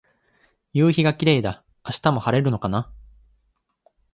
夕陽がキレイだ。明日も晴れるのかな。